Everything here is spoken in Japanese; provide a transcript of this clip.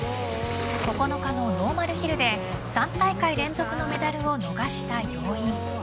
９日のノーマルヒルで３大会連続のメダルを逃した要因